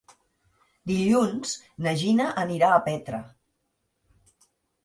Dilluns na Gina anirà a Petra.